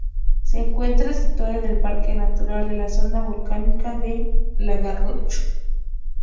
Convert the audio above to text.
Se encuentra situado en el Parque Natural de la Zona Volcánica de la Garrocha.